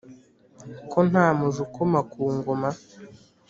ko nta muja ukoma ku ngoma